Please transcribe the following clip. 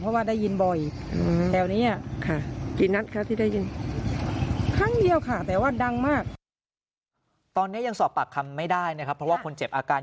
เพราะว่าคนเจ็บอาการ